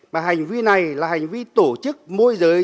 mà hành vi này là hành vi tổ chức môi giới